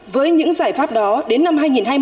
với những giải pháp đó đến năm hai nghìn hai mươi